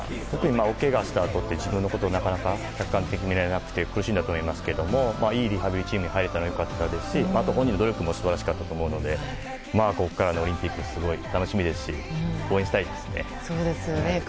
特におけがしたあとって自分のことをなかなか客観的に見られなくて苦しんだと思いますけどいいリハビリチームに入れたのは良かったですし本人の努力も素晴らしかったと思うのでここからのオリンピックがすごい楽しみですし応援したいですね。